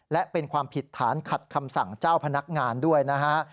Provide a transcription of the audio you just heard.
และเป็นความผิดฐานขัดคำสั่งเจ้าพนักงานด้วยนะฮะ